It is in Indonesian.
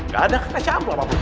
gak ada kasih amplop aja doang